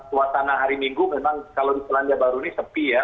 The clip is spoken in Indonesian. suasana hari minggu memang kalau di selandia baru ini sepi ya